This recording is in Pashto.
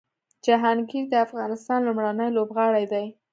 جهانګیر د افغانستان لومړنی لوبغاړی دی